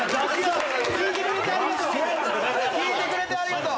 聞いてくれてありがとう！